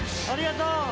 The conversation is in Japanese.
ありがとう！